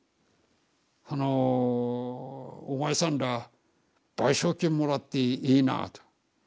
あの「お前さんら賠償金もらっていいな」と。